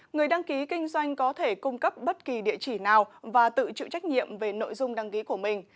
người đăng ký kinh doanh có thể cung cấp bất kỳ địa chỉ nào và tự chịu trách nhiệm về nội dung đăng ký của mình